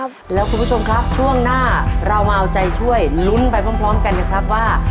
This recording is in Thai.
แล้วคุณผู้ชมครับช่วงหน้าเรามาเอาใจช่วยลุ้นไปพร้อมกันนะครับว่า